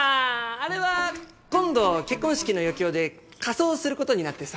あれは今度結婚式の余興で仮装することになってさ。